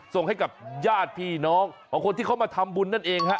ส่งให้กับญาติพี่น้องของคนที่เขามาทำบุญนั่นเองฮะ